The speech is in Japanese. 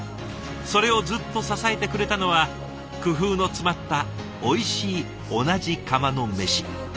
それをずっと支えてくれたのは工夫の詰まったおいしい同じ釜のメシ。